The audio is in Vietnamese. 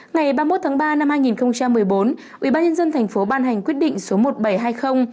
ngày ba mươi một tháng ba năm hai nghìn một mươi bốn ubnd tp ban hành quyết định số một nghìn bảy trăm hai mươi